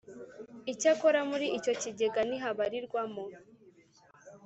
Icyakora muri icyo kigega ntihabarirwamo